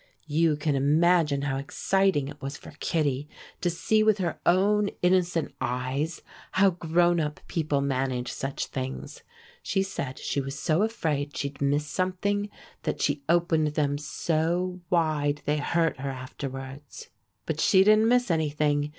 You can imagine how exciting it was for Kittie to see with her own innocent eyes how grown up people manage such things. She said she was so afraid she'd miss something that she opened them so wide they hurt her afterwards. But she didn't miss anything.